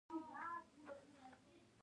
زه پوهېږم، چي زغم یو نعمت دئ.